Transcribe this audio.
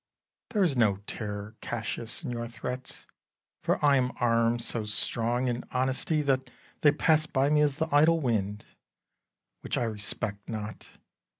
There is no terror, Cassius, in your threats, For I am arm'd so strong in honesty That they pass by me as the idle wind, Which I respect not.